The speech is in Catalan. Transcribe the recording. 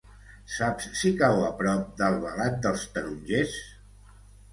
Saps si cau a prop d'Albalat dels Tarongers?